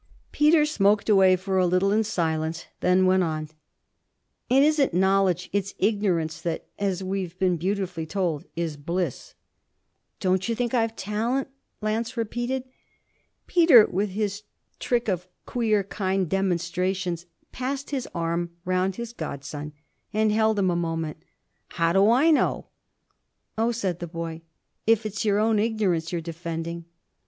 Peter smoked away for a little in silence; then went on: 'It isn't knowledge, it's ignorance that as we've been beautifully told is bliss.' 'Don't you think I've talent?' Lance repeated. Peter, with his trick of queer kind demonstrations, passed his arm round his godson and held him a moment. 'How do I know?' 'Oh,' said the boy, 'if it's your own ignorance you're defending